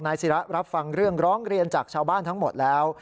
ศิระรับฟังเรื่องร้องเรียนจากชาวบ้านทั้งหมดแล้ว